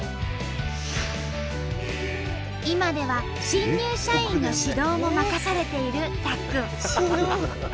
今では新入社員の指導も任されているたっくん。